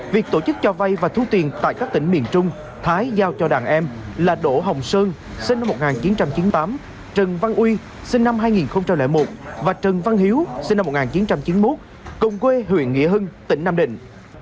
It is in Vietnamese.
việc tổ chức cho vay và thu tiền tại các tỉnh miền trung thái giao cho đàn em là đỗ hồng sơn sinh năm một nghìn chín trăm chín mươi tám trần văn uy sinh năm hai nghìn một và trần văn hiếu sinh năm một nghìn chín trăm chín mươi một cùng quê huyện nghĩa hưng tỉnh nam định